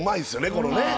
このね